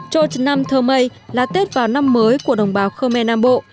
châu trần nam thơ mây là tết vào năm mới của đồng bào khơ me nam bộ